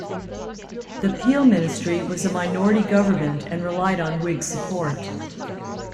The Peel ministry was a minority government, and relied on Whig support.